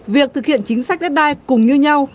việc thực hiện chính sách đất đai cùng như nhau